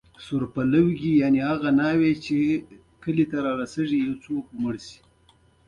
د شونډو لپاره ریښتیا او د سترګو لپاره همدردي ده.